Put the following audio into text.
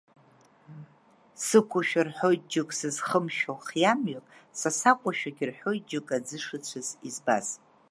Сықәушәа рҳәоит џьоукы сызхымшәо хиамҩак, са сакәушәагьы рҳәоит џьоукы аӡы шыцәаз избаз.